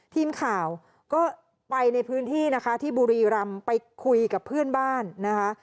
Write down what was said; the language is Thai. ทีมข่าวก็ไปในพื้นที่นะคะที่บุรีรำไปคุยกับเพื่อนบ้านนะคะ